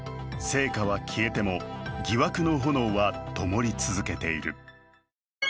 聖火は消えても、疑惑の炎はともり続けている。